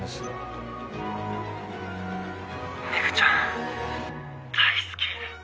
ピッメグちゃん大好き。